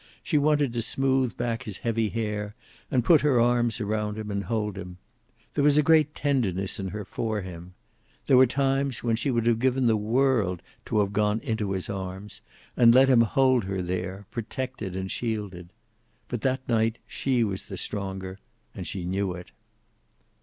She wanted to smooth back his heavy hair, and put her arms around him and hold him. There was a great tenderness in her for him. There were times when she would have given the world to have gone into his arms and let him hold her there, protected and shielded. But that night she was the stronger, and she knew it.